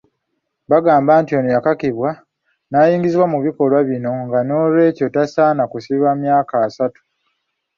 Bagamba nti ono yakakibwa n'ayingizibwa mu bikolwa bino nga n'olwekyo tasaana kusibwa myaka asatu.